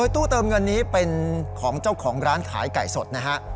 ตู้เติมเงินนี้เป็นของเจ้าของร้านขายไก่สดนะฮะ